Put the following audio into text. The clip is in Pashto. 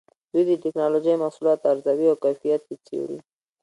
دوی د ټېکنالوجۍ محصولات ارزوي او کیفیت یې څېړي.